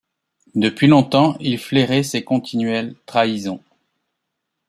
Depuis longtemps, il flairait ses continuelles trahisons.